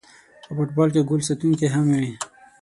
په فوټبال کې ګول ساتونکی هم وي